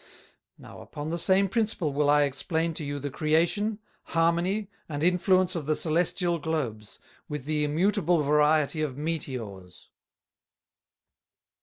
"Now upon the same Principle will I explain to you the Creation, Harmony, and Influence of the Celestial Globes, with the immutable Variety of Meteors."